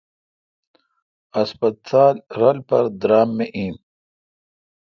ہسپتالرل پر درام می این۔